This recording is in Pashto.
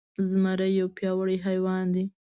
زمری يو پياوړی حيوان دی.